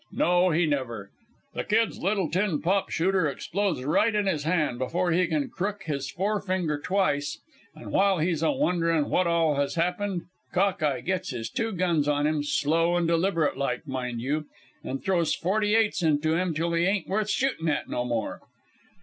No, he never. The kid's little tin pop shooter explodes right in his hand before he can crook his forefinger twice, and while he's a wondering what all has happened Cock eye gets his two guns on him, slow and deliberate like, mind you, and throws forty eights into him till he ain't worth shooting at no more.